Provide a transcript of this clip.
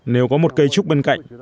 nếu có một cây trúc bên cạnh